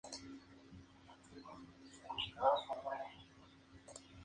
Al español se tradujeron sus obras "Rafael", "Ángela" y "El Dios de otro tiempo".